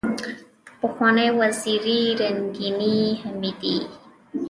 دپخوانۍ وزیرې رنګینې حمیدې